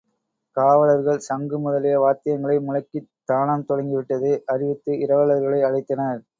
காவலர்கள் சங்கு முதலிய வாத்தியங்களை முழக்கித் தானம் தொடங்கி விட்டதை அறிவித்து இரவலர்களை அழைத்தனர்.